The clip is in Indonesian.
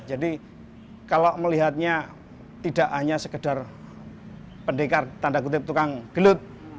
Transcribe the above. jadi kalau melihatnya tidak hanya sekedar pendekar tanda kutip tukang gelut